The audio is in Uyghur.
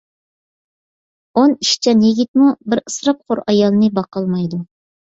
ئون ئىشچان يىگىتمۇ بىر ئىسراپخور ئايالنى باقالمايدۇ.